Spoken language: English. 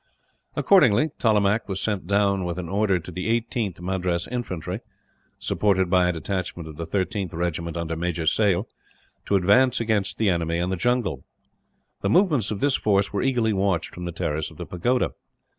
Accordingly, Tollemache was sent down with an order to the 18th Madras Infantry supported by a detachment of the 13th Regiment, under Major Sale to advance against the enemy in the jungle. The movements of this force were eagerly watched from the terrace of the pagoda.